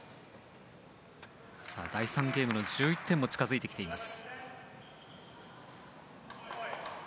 第３ゲームの１１点も近づいてきています。